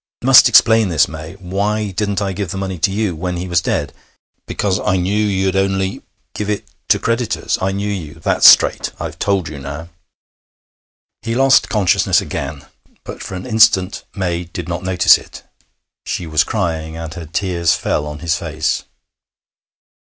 'Must explain this, May. Why didn't I give the money to you ... when he was dead?... Because I knew you'd only ... give it ... to creditors.... I knew you.... That's straight.... I've told you now.' He lost consciousness again, but for an instant May did not notice it. She was crying, and her tears fell on his face.